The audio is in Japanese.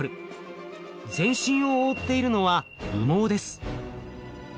全身を覆っているのは羽毛です。